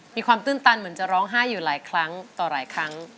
ตื้นตันเหมือนจะร้องไห้อยู่หลายครั้งต่อหลายครั้ง